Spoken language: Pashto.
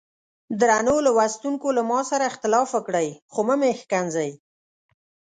درنو لوستونکو له ما سره اختلاف وکړئ خو مه مې ښکنځئ.